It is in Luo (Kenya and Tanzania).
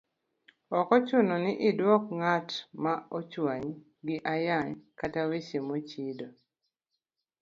Ok ochuno ni idwok ng'at ma ochwanyi gi ayany kata weche mochido,